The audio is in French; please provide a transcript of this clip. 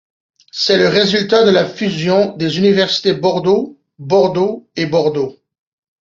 C’est le résultat de la fusion des universités Bordeaux, Bordeaux et Bordeaux.